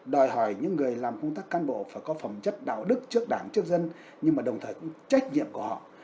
đòi hỏi những người làm công tác cán bộ phải có phẩm chất đạo đức trước đảng trước dân nhưng mà đồng thời cũng trách nhiệm của họ